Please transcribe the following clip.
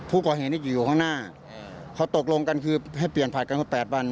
ผู้ก่อเหตุอยู่ข้างหน้าเขาตกลงกันคือให้เปลี่ยนผัดกันสัก๘วัน